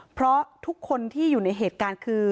เพราะทุกคนที่อยู่ในเหตุการณ์คือ